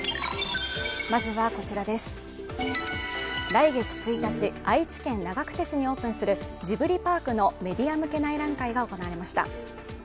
来月１日、愛知県長久手市にオープンするジブリパークのメディア向け内覧会が行われました。